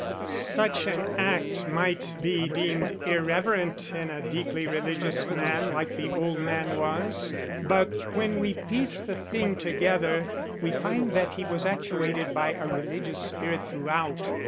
Such an act might be deemed irreverent in a deeply religious man like the old man was, but when we piece the thing together we find that he was actuated by a religious spirit throughout.